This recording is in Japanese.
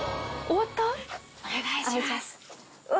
お願いします。